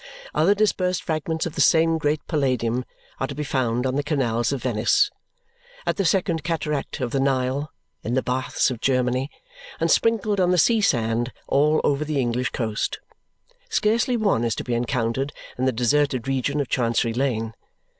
Other dispersed fragments of the same great palladium are to be found on the canals of Venice, at the second cataract of the Nile, in the baths of Germany, and sprinkled on the sea sand all over the English coast. Scarcely one is to be encountered in the deserted region of Chancery Lane.